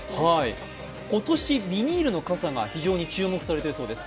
今年ビニールの傘が非常に注目されているそうです。